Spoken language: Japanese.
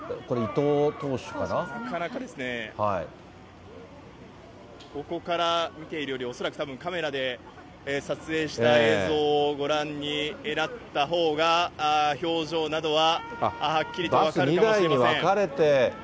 なかなかここから見ているより、恐らくカメラで撮影した映像をご覧になったほうが、表情などははっきりと分かるかもしれません。